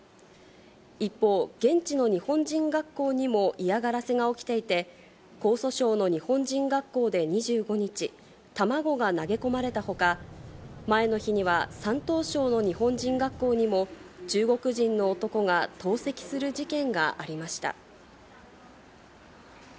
一方、現地の日本人学校にも嫌がらせが起きていて、江蘇省の日本人学校で２５日、卵が投げ込まれたほか、前の日には山東省の日本人学校にも中国人の男が投石する事件がありました。